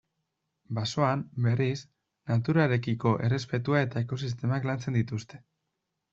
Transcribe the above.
Basoan, berriz, naturarekiko errespetua eta ekosistemak lantzen dituzte.